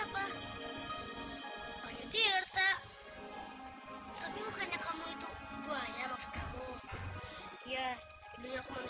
banyu banyu banyu kamu dimana banyu hai hai hai